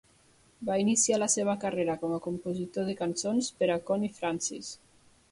Va iniciar la seva carrera com a compositor de cançons per a Connie Francis.